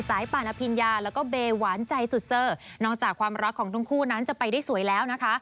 ป่านอภิญญาแล้วก็เบหวานใจสุดเซอร์นอกจากความรักของทั้งคู่นั้นจะไปได้สวยแล้วนะคะ